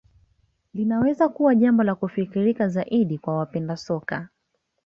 Linaweza kuwa jambo la kufikirika zaidi kwa wapenda soka